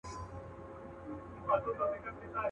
په پسته ژبه يې نه واى نازولى.